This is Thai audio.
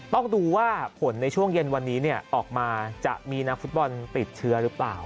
ต้องดูว่าผลในช่วงเย็นวันนี้ออกมาจะมีนักฟุตบอลติดเชื้อหรือเปล่า